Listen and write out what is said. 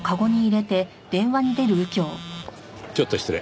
ちょっと失礼。